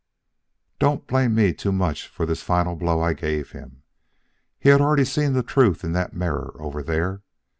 "Do not blame me too much for this final blow I gave him. He had already seen the truth in that mirror over there.